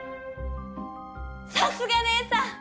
さすが姐さん！